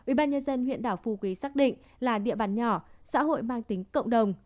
ubnd huyện đảo phu quý xác định là địa bàn nhỏ xã hội mang tính cộng đồng